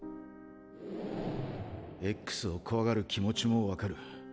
Ｘを怖がる気持ちも分かる。